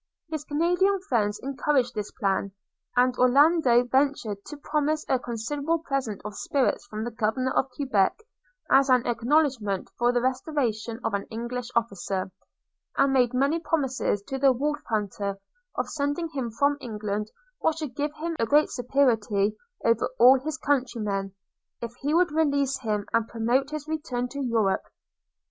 His Canadian friends encouraged this plan; and Orlando ventured to promise a considerable present of spirits from the governor of Quebec, as an acknowledgement for the restoration of an English officer; and made many promises to the Wolf hunter, of sending him from England what should give him a great superiority over all his countrymen, if he would release him, and promote his return to Europe.